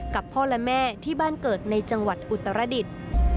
กับพ่อและแม่ที่บ้านเกิดในจังหวัดอุตรดิษฐ์